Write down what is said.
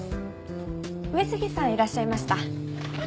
上杉さんいらっしゃいました。